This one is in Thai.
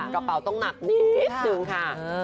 กระเป๋าต้องหนักนิดนึงค่ะ